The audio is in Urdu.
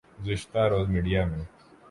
گزشتہ روز میڈیا میں